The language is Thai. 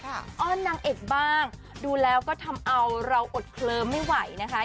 อ้อนนางเอกบ้างดูแล้วก็ทำเอาเราอดเคลิมไม่ไหวนะคะ